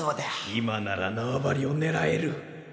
今なら縄張りを狙える。